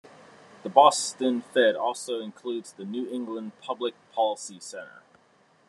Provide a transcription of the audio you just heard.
The Boston Fed also includes the New England Public Policy Center.